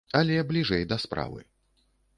Але бліжэй да справы.